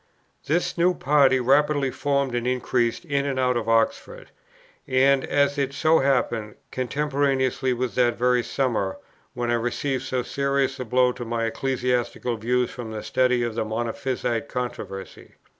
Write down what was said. This new party rapidly formed and increased, in and out of Oxford, and, as it so happened, contemporaneously with that very summer, when I received so serious a blow to my ecclesiastical views from the study of the Monophysite controversy.